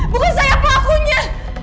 bukan saya pelakunya